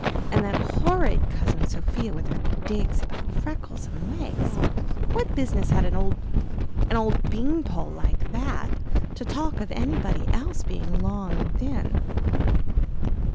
And that horrid Cousin Sophia with her digs about freckles and legs! What business had an old an old beanpole like that to talk of anybody else being long and thin?